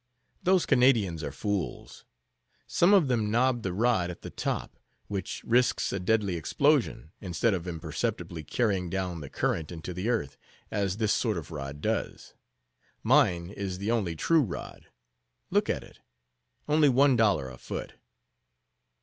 Those Canadians are fools. Some of them knob the rod at the top, which risks a deadly explosion, instead of imperceptibly carrying down the current into the earth, as this sort of rod does. Mine is the only true rod. Look at it. Only one dollar a foot."